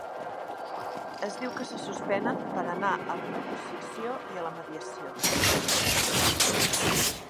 Es diu que se suspenen per anar a la negociació i la mediació.